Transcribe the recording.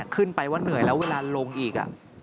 ขึ้นไปว่าเหนื่อยแล้วเวลาลงอีก